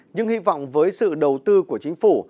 nhưng hy vọng với sự đầu tư của chính phủ